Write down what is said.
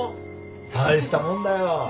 大したもんだよ。